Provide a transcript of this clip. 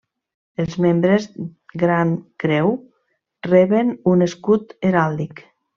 Els Membres Gran Creu reben un escut heràldic.